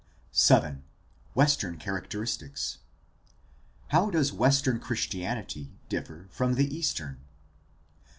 VII, WESTERN CHARACTERISTICS How does Western Christianity differ from Eastern?